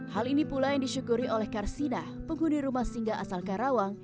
hal ini pula yang disyukuri oleh karsina penghuni rumah singga asal karawang